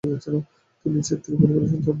তিনি ছেত্রি পরিবারের অন্তর্ভুক্ত ছিলেন।